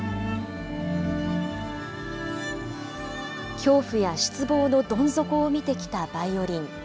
恐怖や失望のどん底を見てきたバイオリン。